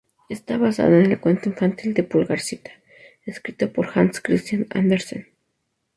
Está basada en el cuento infantil de "Pulgarcita", escrito por Hans Christian Andersen.